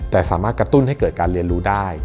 แต่สามารถกระตุ้นให้เกิดการเรียนรู้ได้